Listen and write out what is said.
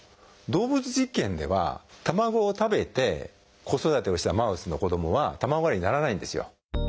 動物実験では卵を食べて子育てをしたマウスの子どもは卵アレルギーにならないんですよ。